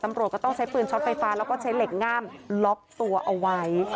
ตำรวจก็ต้องใช้ปืนช็อตไฟฟ้าแล้วก็ใช้เหล็กง่ามล็อกตัวเอาไว้